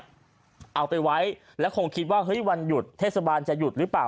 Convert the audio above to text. เอาไปไว้แล้วคงคิดว่าเฮ้ยวันหยุดเทศบาลจะหยุดหรือเปล่า